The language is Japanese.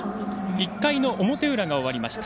１回の表裏が終わりました。